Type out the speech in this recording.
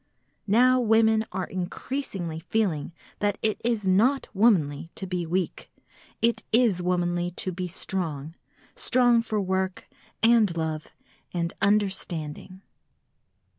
Now women are increasingly feeling that it is not womanly to be weak, it is womanly to be strong, strong for work and love and understanding.